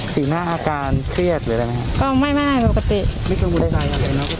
สิ่งหน้าอาการเครียดหรืออะไรอ่าไม่ไม่ไม่ปกติดื่มไปได้ที